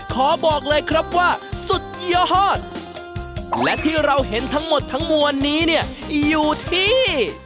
ขอบอกเลยครับว่าสุดยอดและที่เราเห็นทั้งหมดทั้งมวลนี้เนี่ยอยู่ที่